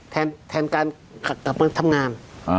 แทนการกลับมาทำงาน